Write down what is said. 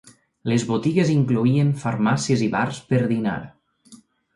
Les botigues incloïen farmàcies i bars per dinar.